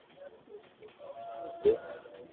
আমি বললাম, তোমার সমস্যাটা কী?